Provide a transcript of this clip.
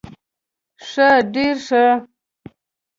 ښه ډير ښه